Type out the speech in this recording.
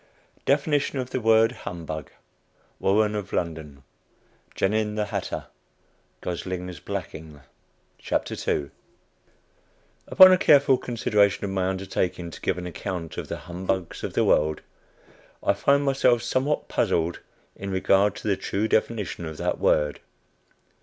DEFINITION OF THE WORD HUMBUG. WARREN OF LONDON. GENIN, THE HATTER. GOSLING'S BLACKING. Upon a careful consideration of my undertaking to give an account of the "Humbugs of the World," I find myself somewhat puzzled in regard to the true definition of that word.